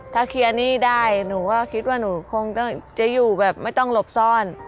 ถ้าเคลียร์หนี้ได้หนูก็คิดว่าหนูคงจะอยู่แบบไม่ต้องหลบซ่อน